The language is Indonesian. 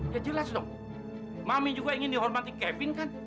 ya jelas dong mami juga ingin dihormati kevin kan